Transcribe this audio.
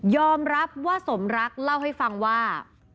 อมรับว่าสมรักเล่าให้ฟังว่า